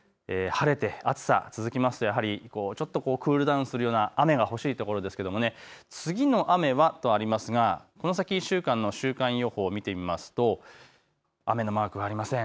晴れて暑さ続きますとやはりクールダウンするような雨が欲しいところですけれども次の雨はとありますがこの先１週間の週間予報を見てみますと、雨のマークはありません。